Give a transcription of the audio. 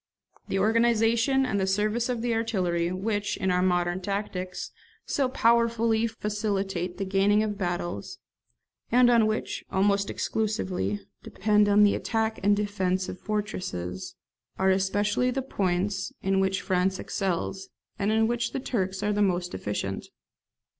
The organization and the service of the artillery, which, in our modern tactics, so powerfully facilitate the gaining of battles, and on which, almost exclusively, depend the attack and defence of fortresses, are especially the points in which France excels, and in which the Turks are most deficient.